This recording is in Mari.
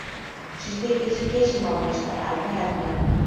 Шижде кече кечым алмашта, арня — арням.